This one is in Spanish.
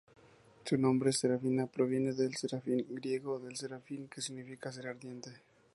Su nombre, Serafina, proviene de Serafín, del griego "śərāfîm," que significa "ser ardiente".